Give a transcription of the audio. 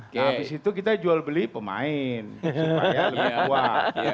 habis itu kita jual beli pemain supaya lebih kuat